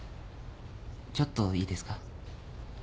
ちょっといいですか？